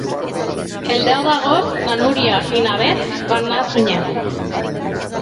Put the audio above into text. El deu d'agost na Núria i na Beth van a Sunyer.